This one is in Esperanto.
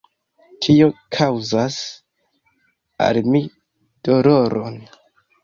Tio kaŭzas al mi doloron.